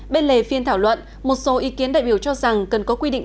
bên lề phiên thảo luận một số ý kiến đại biểu cho rằng cần có quy định